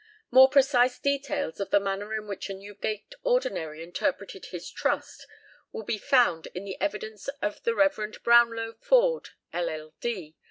More precise details of the manner in which a Newgate ordinary interpreted his trust will be found in the evidence of the Rev. Brownlow Forde, LL.D.